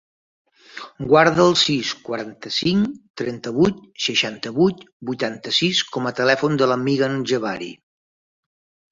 Guarda el sis, quaranta-cinc, trenta-vuit, seixanta-vuit, vuitanta-sis com a telèfon de la Megan Jebari.